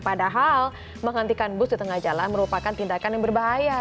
padahal menghentikan bus di tengah jalan merupakan tindakan yang berbahaya